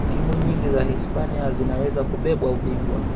timu nyingi za hispania zinaweza kubeba ubingwa